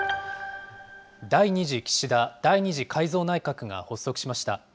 第２次岸田第２次改造内閣が発足しました。